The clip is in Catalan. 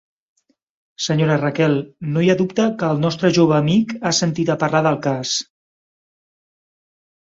Sra. Raquel, no hi ha dubte que el nostre jove amic ha sentit a parlar del cas.